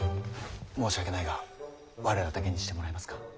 申し訳ないが我らだけにしてもらえますか。